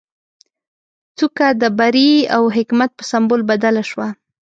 څوکه د بري او حکمت په سمبول بدله شوه.